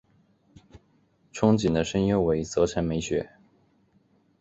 憧憬的声优为泽城美雪。